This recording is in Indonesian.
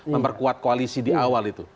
memperkuat koalisi di awal itu